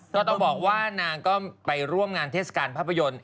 ก็ต้องบอกว่านางก็ไปร่วมงานเทศกาลภาพยนตร์